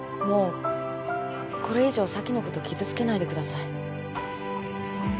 もうこれ以上咲のこと傷つけないでください。